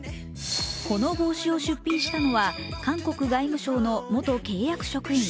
この帽子を出品したのは韓国外務省の元契約職員。